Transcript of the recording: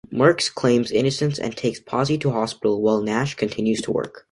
Murks claims innocence and takes Pozzi to a hospital while Nashe continues to work.